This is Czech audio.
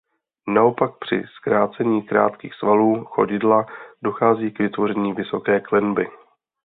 Naopak při zkrácení krátkých svalů chodidla dochází k vytvoření vysoké klenby.